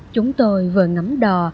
chúng tôi vừa ngắm đò